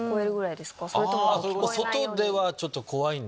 外ではちょっと怖いんで。